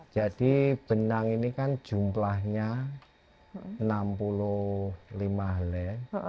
jadi benang ini kan jumlahnya enam puluh lima le